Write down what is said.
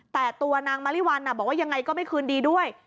แต่ตัวนางมะลิวัลบอกว่ายังไงก็ไม่คืนดีด้วย